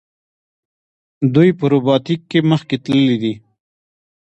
دوی په روباټیک کې مخکې تللي دي.